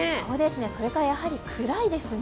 それからやはり暗いですね。